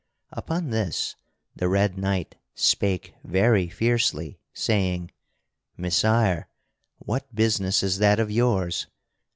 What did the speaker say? Upon this the red knight spake very fiercely, saying: "Messire, what business is that of yours?